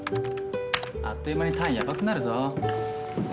あっという間に単位やばくなるぞ。